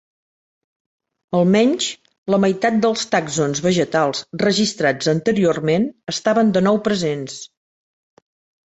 Almenys la meitat dels tàxons vegetals registrats anteriorment estaven de nou presents.